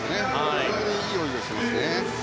非常にいい泳ぎをしていますね。